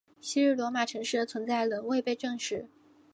昔日罗马城市的存在仍未被证实。